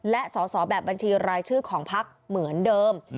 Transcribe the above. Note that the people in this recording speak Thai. และสอสอแบบบัญชีรายชื่อของพักเหมือนเดิม